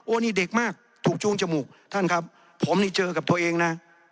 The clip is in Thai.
นี่เด็กมากถูกจูงจมูกท่านครับผมนี่เจอกับตัวเองนะ